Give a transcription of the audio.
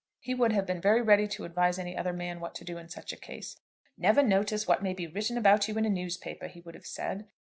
He would have been very ready to advise any other man what to do in such a case. "Never notice what may be written about you in a newspaper," he would have said.